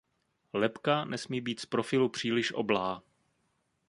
Lebka nesmí být z profilu příliš oblá.